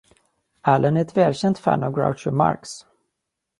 Allen är ett välkänt fan av Groucho Marx.